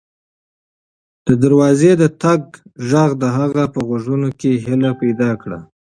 د دروازې د ټک غږ د هغې په غوږونو کې هیله پیدا کړه.